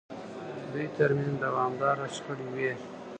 دوی ترمنځ دوامداره شخړې وې.